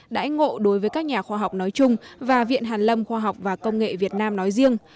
đãi ngộ đối với các nhà khoa học nói chung và viện hàn lâm khoa học và công nghệ việt nam nói riêng